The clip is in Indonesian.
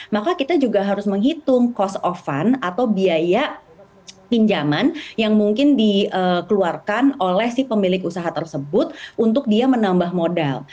maka kita juga harus menghitung cost of fund atau biaya pinjaman yang mungkin dikeluarkan oleh si pemilik usaha tersebut untuk dia menambah modal